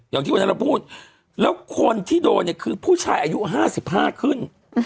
อย่างที่วันนั้นเราพูดแล้วคนที่โดนเนี่ยคือผู้ชายอายุ๕๕ขึ้น